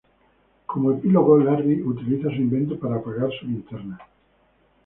Como epílogo, Larry utiliza su invento para apagar su linterna.